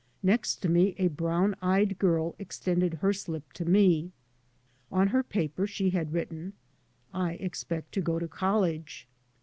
Next to me a brown eyed girl extended her slip to me. On her paper she had written :" I expect to go to college."